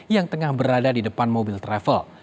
yang tengah berada di depan mobil travel